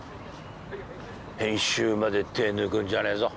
編集まで手抜くんじゃねえぞ。